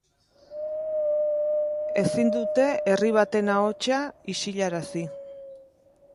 Ezin dute herri baten ahotsa isilarazi.